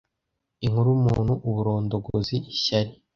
Inkuru umuntu uburondogozi ishyari .